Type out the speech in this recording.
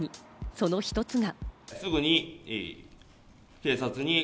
その１つが。